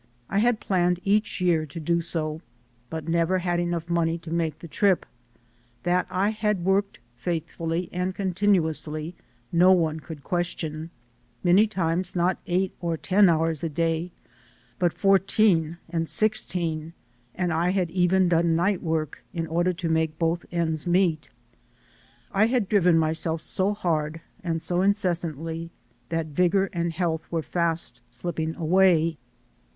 I had planned each year to do so, but never had enough money to make the trip. That I had worked faithfully and continuously no one could question ; many times not eight or ten hours a day, but fourteen and six teen; and I had even done night work in order to make both ends meet. I had driven myself so hard and so incessantly that vigor and health were fast slipping away.